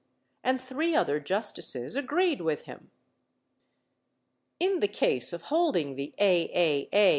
And three other justices agreed with him. In the case of holding the A.A.A.